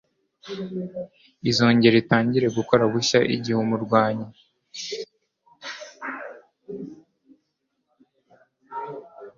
izongera itangire gukora bushya Igihe umurwayi